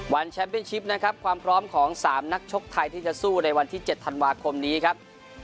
วันนะครับความพร้อมของสามนักชกไทยที่จะสู้ในวันที่เจ็ดธันวาคมนี้ครับ